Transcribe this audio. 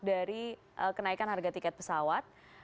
dari kenaikan harga tiket pesawat